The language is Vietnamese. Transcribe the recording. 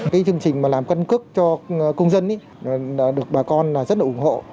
cái chương trình mà làm căn cước cho công dân được bà con rất là ủng hộ